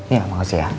iya makasih ya